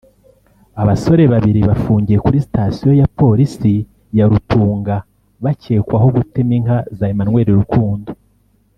Abasore babiri bafungiye kuri station ya Police ya Rutunga bakekwaho gutema inka za Emmanuel Rukundo